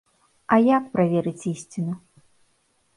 А як праверыць ісціну?